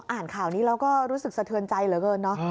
อ่านข่าวนี้แล้วก็รู้สึกสะเทือนใจเหลือเกินเนอะ